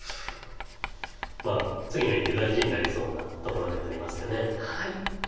次の一手大事になりそうなところではありますよね。